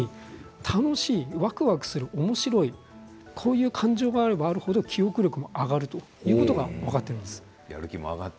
楽しい、わくわくするおもしろいという感情があればあるほど記憶力が上がることが分かっているんです。